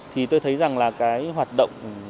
thì tôi thấy rằng là cái hoạt động này rất là nguy hiểm